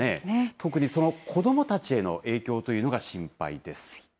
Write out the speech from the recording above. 特に子どもたちへの影響というのが心配です。